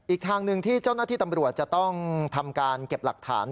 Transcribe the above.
อีกทางหนึ่งที่เจ้าหน้าที่ตำรวจจะต้องทำการเก็บหลักฐาน